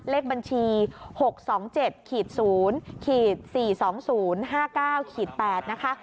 เลขบัญชี๖๒๗๐๔๒๐๕๙๘นะคะ